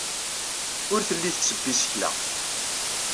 Ur telli tettebbi isekla.